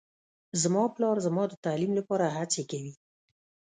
زما پلار زما د تعلیم لپاره هڅې کوي